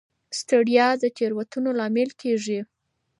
ستړیا د تېروتنو لامل کېږي.